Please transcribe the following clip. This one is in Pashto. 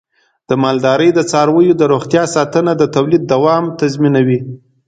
د مالدارۍ د څارویو د روغتیا ساتنه د تولید دوام تضمینوي.